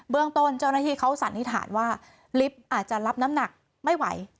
เรื่องต้นเจ้าหน้าที่เขาสันนิษฐานว่าลิฟต์อาจจะรับน้ำหนักไม่ไหว